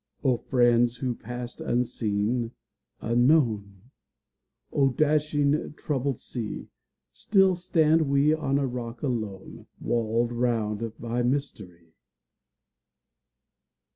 O friends who passed unseen, unknown! O dashing, troubled sea! Still stand we on a rock alone, Walled round by mystery.